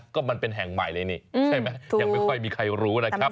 ก็มันเป็นแห่งใหม่เลยนี่ใช่ไหมยังไม่ค่อยมีใครรู้นะครับ